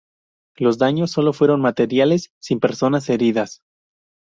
Los daños solo fueron materiales sin personas heridas.